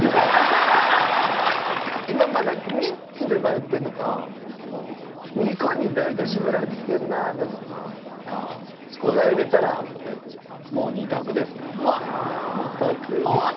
今まだ３つで迷ってるのか２個に大体絞られてきてるななのか答えられたらお答え頂きたい。